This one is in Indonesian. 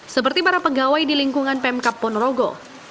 seperti para pegawai di lingkungan pemkap ponorogo